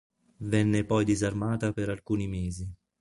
Venne poi disarmata per alcuni mesi.